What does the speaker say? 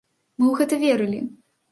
Мы ў гэта верылі!